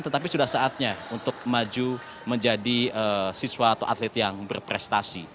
tetapi sudah saatnya untuk maju menjadi siswa atau atlet yang berprestasi